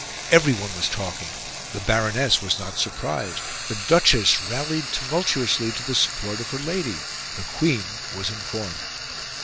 Everyone was talking; the Baroness was not surprised; the Duchess rallied tumultuously to the support of her lady; the Queen was informed.